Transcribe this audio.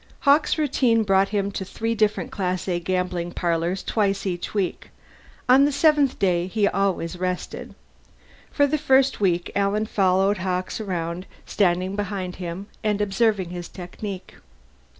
Hawkes' routine brought him to three different Class A gambling parlors, twice each week; on the seventh day he always rested. For the first week Alan followed Hawkes around, standing behind him and observing his technique.